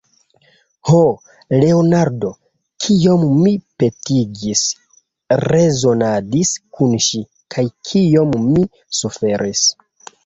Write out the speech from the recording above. Ho, Leonardo, kiom mi petegis, rezonadis kun ŝi, kaj kiom mi suferis!